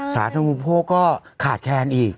สาธารณูนพวกก็ขาดแค้นอีก